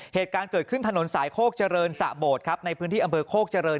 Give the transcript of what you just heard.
เหตุการณ์เกิดขึ้นถนนสายโคกเจริญสะโบดครับในพื้นที่อำเภอโคกเจริญ